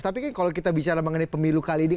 tapi kan kalau kita bicara mengenai pemilu kali ini